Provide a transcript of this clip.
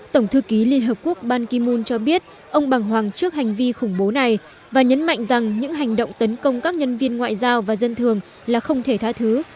tổng thư ký liên hợp quốc ban kim mun cho biết ông bằng hoàng trước hành vi khủng bố này và nhấn mạnh rằng những hành động tấn công các nhân viên ngoại giao và dân thường là không thể tha thứ